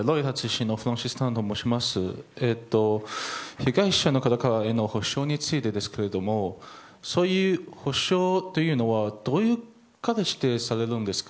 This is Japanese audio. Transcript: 被害者の方への補償についてですがそういう補償というのはどういうことをされるんですか？